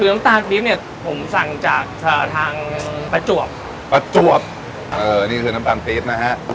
น้ำตาลปี๊บเนี่ยผมสั่งจากทางประจวบประจวบเออนี่คือน้ำตาลปี๊บนะฮะ